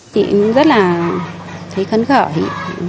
chị rất là thấy khấn khởi